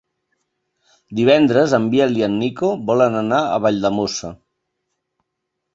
Divendres en Biel i en Nico volen anar a Valldemossa.